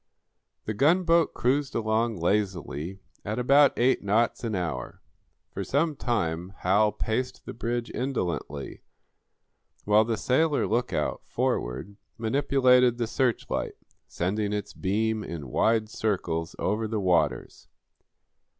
The gunboat cruised along lazily at about eight knots an hour. For some time Hal paced the bridge indolently, while the sailor lookout, forward, manipulated the searchlight, sending its beam in wide circles over the waters.